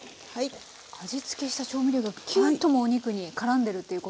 味付けした調味料がきゅっともうお肉にからんでるということですね。